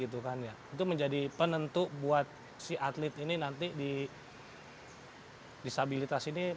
itu menjadi penentu buat si atlet ini nanti disabilitas ini